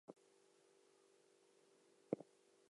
At this point, Kit is about to go into labor.